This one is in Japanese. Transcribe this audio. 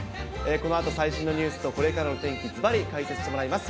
このあと最新のニュースとこれからの天気、ずばり解説してもらいます。